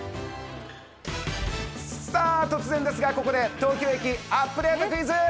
突然ですがここで東京駅アップデートクイズ！